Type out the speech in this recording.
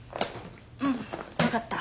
うん分かった。